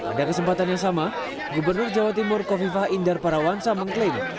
pada kesempatan yang sama gubernur jawa timur kofifah indar parawansa mengklaim